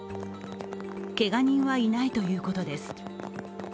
けが人はいないということです。